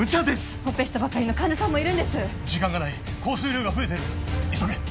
オペしたばかりの患者さんもいます時間がない降水量が増えている急げ！